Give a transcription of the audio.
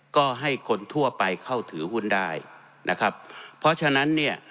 ก็ให้คนทั่วไปเข้าถือหุ้นได้นะครับเพราะฉะนั้นเนี่ย